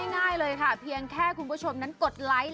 ง่ายเลยค่ะเพียงแค่คุณผู้ชมนั้นกดไลค์